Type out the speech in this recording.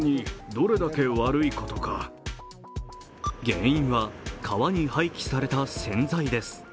原因は川に廃棄された洗剤です。